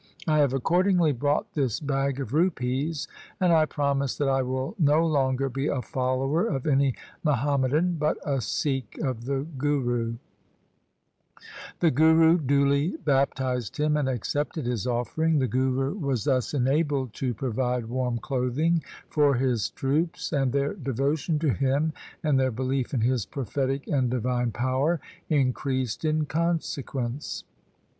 I have accordingly brought this bag of rupees, and I promise that I will no longer be a follower of any Muhamma dan, but a Sikh of the Guru.' The Guru duly bap tized him and accepted his offering. The Guru was 1 Gur Bilas, Chapter 14. LIFE OF GURU GOBIND SINGH 123 thus enabled to provide warm clothing for his troops, and their devotion to him and their belief in his prophetic and divine power increased in consequence.